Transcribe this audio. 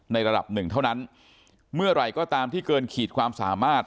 ระดับหนึ่งเท่านั้นเมื่อไหร่ก็ตามที่เกินขีดความสามารถ